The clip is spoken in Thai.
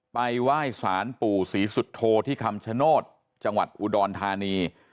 ไปไหว้สารปู่ศรีสุโธที่คำชโนธจังหวัดอุดรธานี